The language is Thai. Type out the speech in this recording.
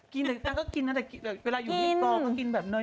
กินเราก็กินน่ะแต่เวลาอยู่บี้ก่อก็กินแบบน้อย